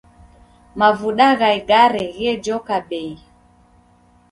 Mavuda gha igare ghejoka bei